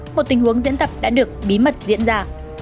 một tình huống diễn tập đã được bí mật diễn ra